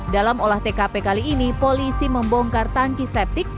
dalam olah tkp kali ini polisi membongkar tangki septik